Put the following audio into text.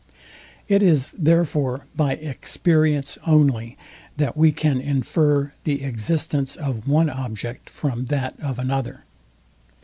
It is therefore by EXPERIENCE only, that we can infer the existence of one object from that of another.